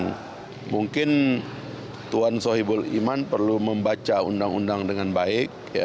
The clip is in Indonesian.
dan mungkin tuhan sohibul iman perlu membaca undang undang dengan baik